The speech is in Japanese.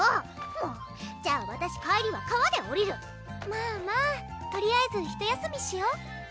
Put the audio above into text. もうじゃあわたし帰りは川でおりるまぁまぁとりあえずひと休みしよ？